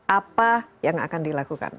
apa yang akan dilakukan